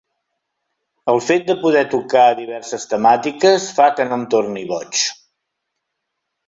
El fet de poder tocar diverses temàtiques fa que no em torni boig.